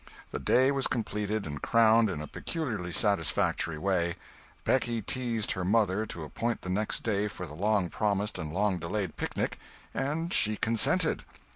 The day was completed and crowned in a peculiarly satisfactory way: Becky teased her mother to appoint the next day for the long promised and long delayed picnic, and she consented.